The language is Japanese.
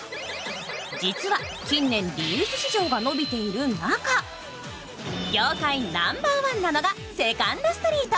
実は近年、リユース市場が伸びている中、業界ナンバーワンなのがセカンドストリート。